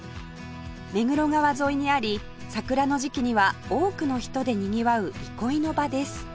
目黒川沿いにあり桜の時期には多くの人でにぎわう憩いの場です